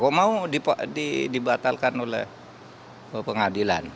kok mau dibatalkan oleh pengadilan